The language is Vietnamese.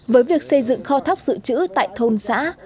với việc xây dựng kho thóc dự trữ tại thôn xã